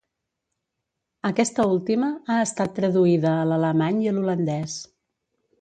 Aquesta última ha estat traduïda a l’alemany i a l’holandès.